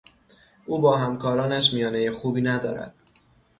او با همکارانش میانهی خوبی ندارد.